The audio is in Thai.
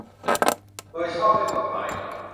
โดยชอบด้วยกฎหมาย